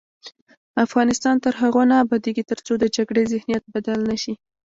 افغانستان تر هغو نه ابادیږي، ترڅو د جګړې ذهنیت بدل نه شي.